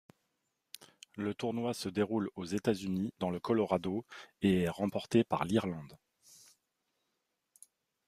Le tournoi se déroule aux États-Unis, dans le Colorado, et est remporté par l'Irlande.